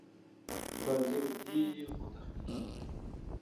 ټېسټ بازي اوږدې يي، خو تخنیکي دي.